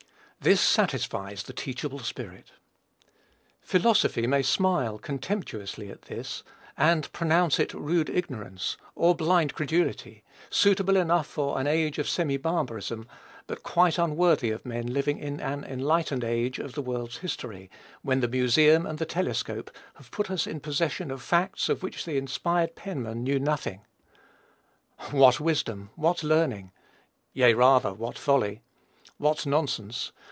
This satisfies the teachable spirit. Philosophy may smile contemptuously at this, and pronounce it rude ignorance, or blind credulity, suitable enough for an age of semi barbarism, but quite unworthy of men living in an enlightened age of the world's history, when the museum and the telescope have put us in possession of facts of which the inspired penman knew nothing. What wisdom! What learning! Yea, rather, what folly! What nonsense!